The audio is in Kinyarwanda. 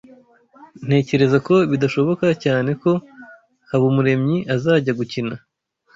Ntekereza ko bidashoboka cyane ko Habumuremyi azajya gukina.